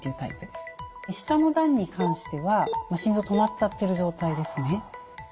下の段に関しては心臓止まっちゃってる状態ですね。